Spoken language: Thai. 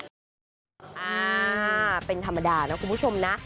อ่าเป็นธรรมดานะคุณผู้ชมนะ